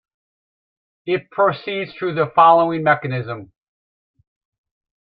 It proceeds through the following mechanism.